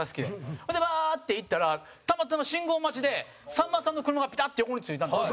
ほんで、バーッて行ったらたまたま、信号待ちでさんまさんの車がピタッて横についたんですよ。